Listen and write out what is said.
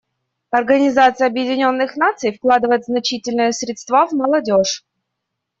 Организация Объединенных Наций вкладывает значительные средства в молодежь.